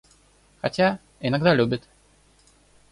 Хотя, иногда любит.